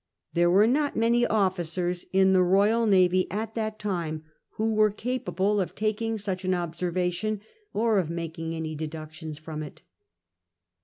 There were not many officers in tlie Koyal Navy of that time Avho Averc capalile of taking such an observation, or of making any deductions from it.